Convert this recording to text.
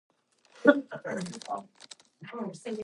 But the spirit of man goes on forever.